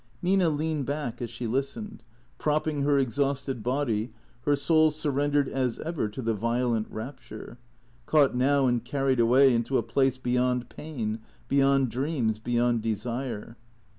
Nina leaned back as she listened, propping her exhausted body, her soul surrendered as ever to the violent rapture; caught now and carried away into a place beyond pain, beyond dreams, beyond desire.